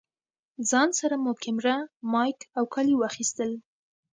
ځان سره مو کېمره، مايک او کالي واخيستل.